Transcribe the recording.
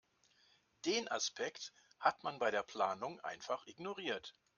Den Aspekt hat man bei der Planung einfach ignoriert.